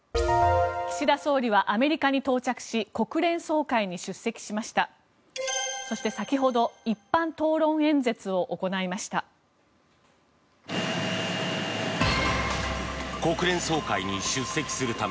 岸田総理はアメリカに到着し国連総会に出席しました。